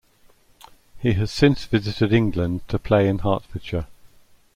He has since visited England to play in Hertfordshire.